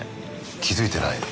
気付いてないね。